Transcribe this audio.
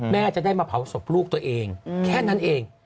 แม่จะได้มาเผาศพลูกตัวเองแค่นั้นเอง